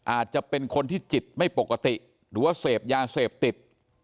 อาจจะเป็นคนที่จิตไม่ปกติหรือว่าเสพยาเสพติด